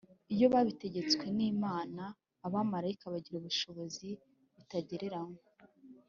iyo babitegetswe n’imana, abamarayika bagira ubushobozi butagereranywa